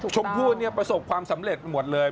ชมผู้ประสบความสำเร็จหมดเลย